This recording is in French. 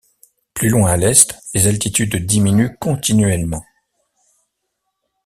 Plus loin à l'Est, les altitudes diminuent continuellement.